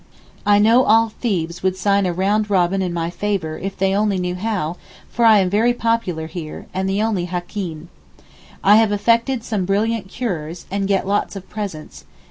I know all Thebes would sign a round robin in my favour if they only knew how, for I am very popular here, and the only Hakeen. I have effected some brilliant cures, and get lots of presents.